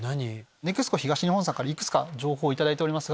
ＮＥＸＣＯ東日本さんからいくつか情報を頂いております。